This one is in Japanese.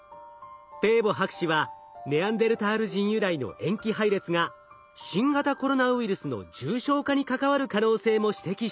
ペーボ博士はネアンデルタール人由来の塩基配列が新型コロナウイルスの重症化に関わる可能性も指摘しています。